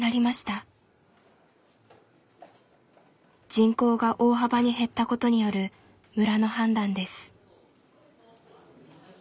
人口が大幅に減ったことによる村の判断です。